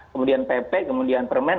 kemudian pp kemudian permen